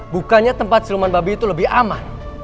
bukannya tempat siluman babi itu lebih aman